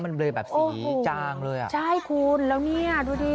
มันเลยแบบสีจางเลยอ่ะใช่คุณแล้วเนี่ยดูดิ